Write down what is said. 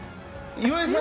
岩井さん